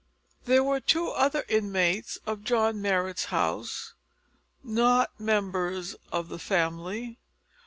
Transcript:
There were two other inmates of John Marrot's house not members of the family.